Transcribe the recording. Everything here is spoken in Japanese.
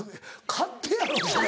勝手やろそれ。